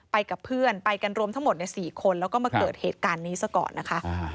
ไปกับเพื่อนไปกันรวมทั้งหมดใน๔คนแล้วก็มาเกิดเหตุการณ์นี้ซะก่อนนะคะ